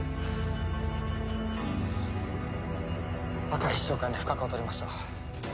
赤石長官に不覚を取りました。